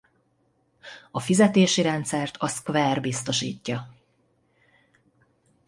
A fizetési rendszert a Square biztosítja.